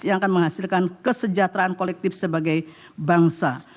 yang akan menghasilkan kesejahteraan kolektif sebagai bangsa